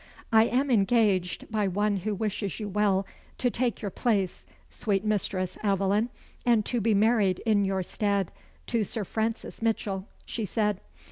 "I am engaged, by one who wishes you well, to take your place, sweet Mistress Aveline, and to be married in your stead to Sir Francis Mitchell," she said.